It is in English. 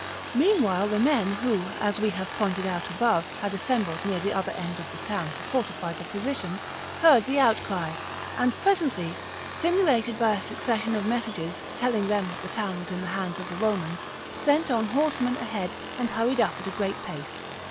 Meanwhile the men who, as we have pointed out above, had assembled near the other end of the town to fortify the position, heard the outcry, and presently, stimulated by a succession of messages, telling that the town was in the hands of the Romans, sent on horsemen ahead, and hurried up at a great pace.